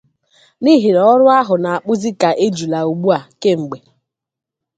n'ihi na ọrụ ahụ na-akpụzị ka ejula ugbua kemgbe